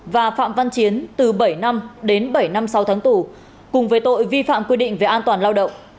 và phạm văn chiến từ bảy năm đến bảy năm sáu tháng tù cùng với tội vi phạm quy định về an toàn lao động